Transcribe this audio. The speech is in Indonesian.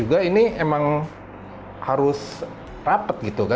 juga ini emang harus rapat gitu kan